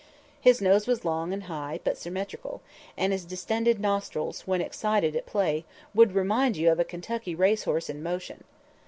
His nose was long and high, but symmetrical, and his distended nostrils, when excited at play, would remind you of a Kentucky racehorse in motion.